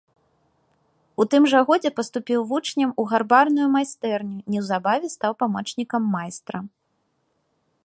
У тым жа годзе паступіў вучнем у гарбарную майстэрню, неўзабаве стаў памочнікам майстра.